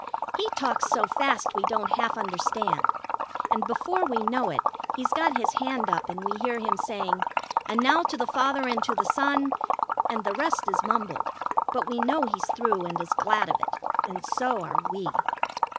He talks so fast we don't half understand, and before we know it he's got his hand up and we hear him saying: "And now to the Father and to the Son ." And the rest is mumbled, but we know he's through and is glad of it, and so are we.